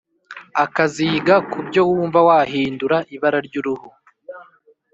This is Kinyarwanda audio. Akaziga ku byo wumva wahindura ibara ry uruhu